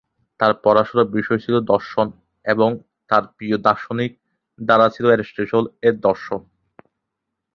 তার পড়াশোনার বিষয় ছিল দর্শন এবং তার প্রিয় দার্শনিক ধারা ছিল এরিস্টটল-এর দর্শন।